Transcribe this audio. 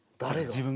自分が。